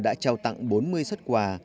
đã trao tặng bốn mươi xuất quà